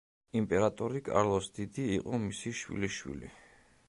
იმპერატორი კარლოს დიდი იყო მისი შვილიშვილი.